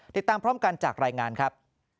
ติดตามพร้อมกันจากรายงานครับ